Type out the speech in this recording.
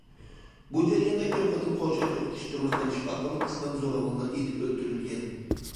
بۇ جەرياندا كۆپ قېتىم قورشاپ يوقىتىش جېڭى قىلىش ئارقىلىق قىسمەن زوراۋانلار ئېتىپ ئۆلتۈرۈلگەن.